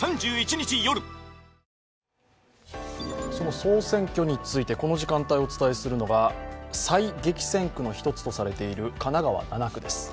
総選挙について、この時間帯お伝えするのは再激戦区の一つとされている神奈川７区です。